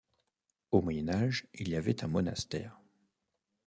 Au Moyen Âge, il y avait un monastère.